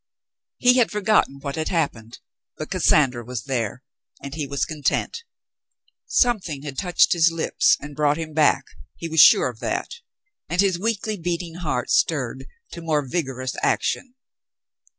He had forgotten what had happened, but Cassandra was there, and he was content. Something had touched his lips and brought him back, he was sure of that, and his weakly beating heart stirred to more vigorous action.